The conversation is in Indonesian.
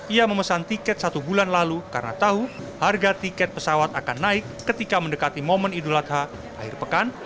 ia memesan tiket satu bulan lalu karena tahu harga tiket pesawat akan naik ketika mendekati momen idul adha akhir pekan